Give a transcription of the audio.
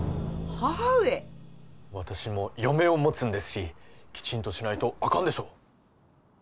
母上私も嫁を持つんですしきちんとしないとアカンでしょう